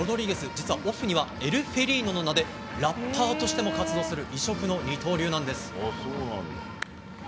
実は、オフにはエル・フェリーノの名でラッパーとしても活動する異色の二刀流です。